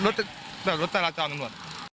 แต่รถแต่ละจอมทั้งหมด